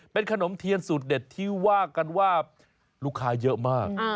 เป็นขนมเทียนสูตรเด็ดที่ว่ากันว่าลูกค้าเยอะมาก